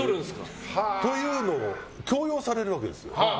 というのを強要されるわけですよ。